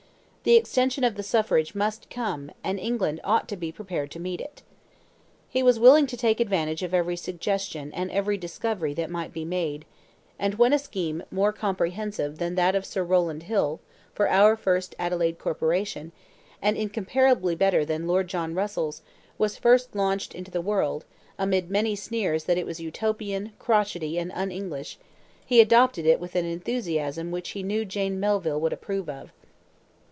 The extension of the suffrage must come, and England ought to be prepared to meet it. He was willing to take advantage of every suggestion and every discovery that might be made; and when a scheme more comprehensive than that of Sir Rowland Hill for our first Adelaide Corporation, and incomparably better than Lord John Russell's, was first launched into the world, amid many sneers that it was utopian, crotchety, and un English, he adopted it with an enthusiasm which he knew Jane Melville would approve of.